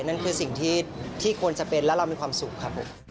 นั่นคือสิ่งที่ควรจะเป็นและเรามีความสุขครับผม